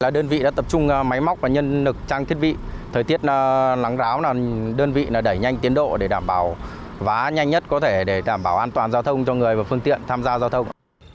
đơn vị đã tập trung máy móc và nhân lực trang thiết bị thời tiết nắng ráo đơn vị đẩy nhanh tiến độ để đảm bảo vá nhanh nhất có thể để đảm bảo an toàn giao thông cho người và phương tiện tham gia giao thông